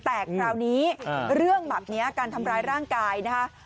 แต่คราวนี้เรื่องแบบนี้การทำร้ายร่างกายนะคะ